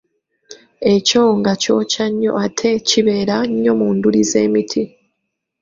Ekyonga kyokya nnyo ate kibeera nnyo ku nduli z’emiti.